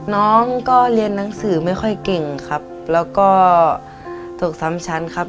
น้องก็เรียนหนังสือไม่ค่อยเก่งครับแล้วก็ตกซ้ำชั้นครับ